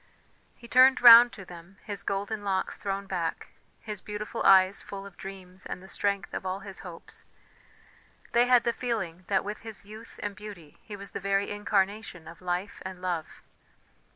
He turned round to them, his golden locks thrown back, his beautiful eyes full of dreams and the strength of all his hopes; they had the feeling that with his youth and beauty he was the very incarnation of life and love.